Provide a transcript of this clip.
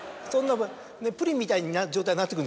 プリンみたいな状態になってくるんですね。